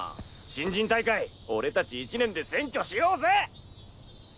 新人大会俺達１年で占拠しようぜ！